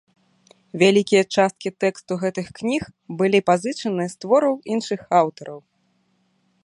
Вялікія часткі тэксту гэтых кніг былі пазычаны з твораў іншых аўтараў.